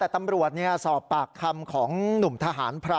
แต่ตำรวจสอบปากคำของหนุ่มทหารพระ